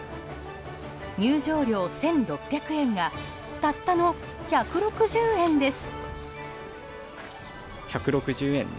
入場料１６００円がたったの１６０円です。